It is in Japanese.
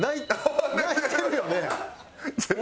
泣いてるよね？